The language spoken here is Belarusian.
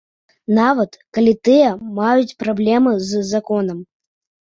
Нават калі тыя маюць праблемы з законам.